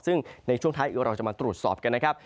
ซึ่งในช่วงท้ายคือเราจะมาตรวจสอบกันนะครับ